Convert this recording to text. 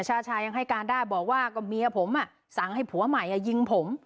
ชาชายังให้การได้บอกว่าก็เมียผมสั่งให้ผัวใหม่ยิงผม